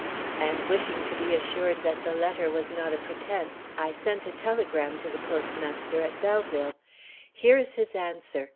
"And wishing to be assured that the letter was not a pretense, I sent a telegram to the postmaster at Belleville. Here is his answer.